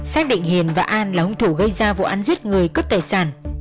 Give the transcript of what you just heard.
xác định hiền và an là hùng thủ gây ra vụ ăn giết người cất tài sản